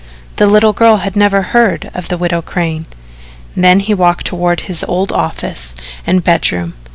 The little girl had never heard of the Widow Crane. Then he walked toward his old office and bedroom.